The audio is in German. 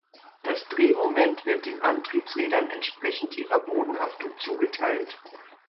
Das Drehmoment wird den Antriebsrädern entsprechend ihrer Bodenhaftung zugeteilt.